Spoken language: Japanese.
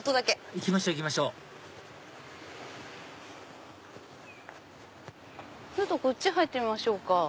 行きましょう行きましょうこっち入ってみましょうか。